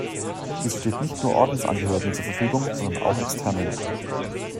Diese steht nicht nur Ordensangehörigen zur Verfügung, sondern auch Externen.